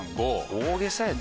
大げさやで。